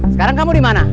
sekarang kamu dimana